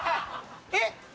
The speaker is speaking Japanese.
えっ？